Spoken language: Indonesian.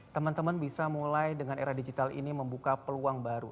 teman teman bisa mulai dengan era digital ini membuka peluang baru